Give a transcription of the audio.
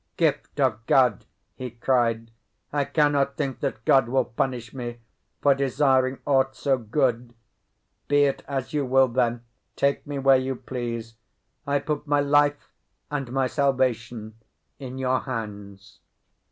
"Gift of God!" he cried. "I cannot think that God will punish me for desiring aught so good! Be it as you will, then; take me where you please: I put my life and my salvation in your hands."